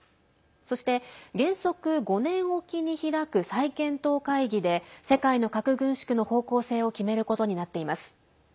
そして原則、５年おきに開く再検討会議で世界の核軍縮の方向性を決めることになっています。